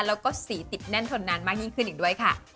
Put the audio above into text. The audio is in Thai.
แล้วก็สีติดแน่นทนนานมากยิ่งขึ้นอีกด้วยค่ะ